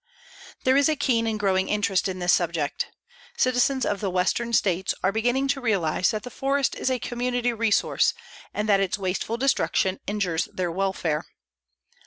There is a keen and growing interest in this subject. Citizens of the western states are beginning to realize that the forest is a community resource and that its wasteful destruction injures their welfare.